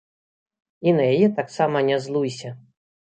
І на яе таксама не злуйся.